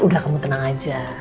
udah kamu tenang aja